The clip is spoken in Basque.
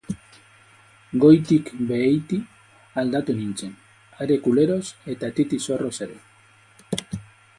Goitik beheiti aldatu nintzen, are kuleroz eta titi-zorroz ere.